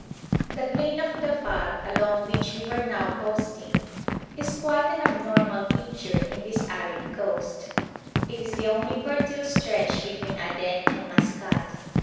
The plain of Dhofar, along which we were now coasting, is quite an abnormal feature in this arid coast. It is the only fertile stretch between Aden and Maskat.